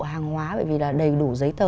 hàng hóa bởi vì là đầy đủ giấy tờ